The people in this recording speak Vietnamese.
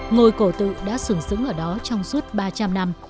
ngôi cổ tự đã sửng sững ở đó trong suốt ba trăm linh năm